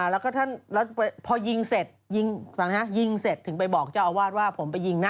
แล้วก็พอยิงเสร็จถึงไปบอกเจ้าอาวาสว่าผมไปยิงนะ